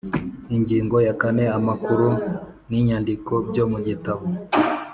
Ingingo ya kane Amakuru n’inyandiko byo mu gitabo